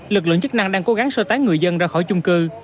lực lượng chức năng đang cố gắng sơ tán người dân ra khỏi chung cư